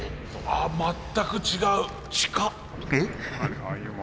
あ全く違う。